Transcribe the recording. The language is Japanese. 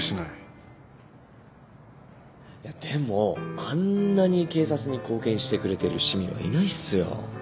いやでもあんなに警察に貢献してくれてる市民はいないっすよ。